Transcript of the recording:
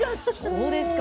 どうですか？